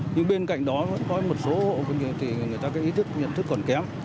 nhưng bên cạnh đó có một số hộp thì người ta có ý thức nhận thức còn kém